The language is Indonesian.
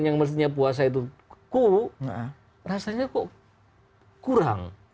yang mestinya puasa itu ku rasanya kok kurang